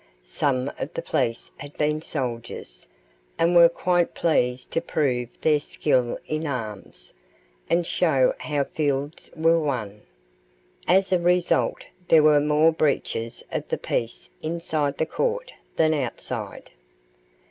Some of the police had been soldiers, and were quite pleased to prove their skill in arms, and show how fields were won. As a result there were more breaches of the peace inside the court than outside.